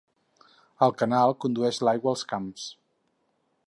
El canal condueix l'aigua als camps.